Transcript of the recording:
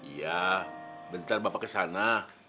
iya bentar bapak kesana